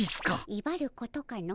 いばることかの。